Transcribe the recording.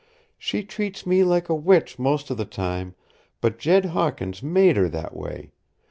"She treats me like a witch most of the time, but Jed Hawkins made her that way.